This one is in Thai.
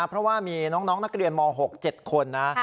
เพราะว่ามีน้องนักการียนม๖เจ็ดคนฮะ